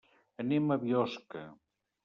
Anem a Biosca.